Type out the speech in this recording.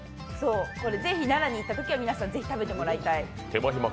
ぜひ奈良に行ったときには皆さん、是非食べてもらいたい。